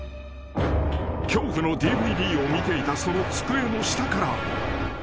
［恐怖のＤＶＤを見ていたその机の下から］